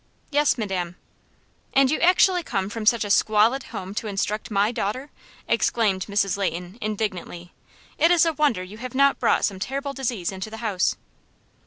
"Yes, madam." "And you actually come from such a squalid home to instruct my daughter!" exclaimed Mrs. Leighton, indignantly. "It is a wonder you have not brought some terrible disease into the house."